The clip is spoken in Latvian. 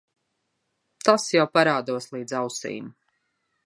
Tas jau parādos līdz ausīm.